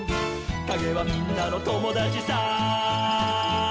「かげはみんなのともだちさ」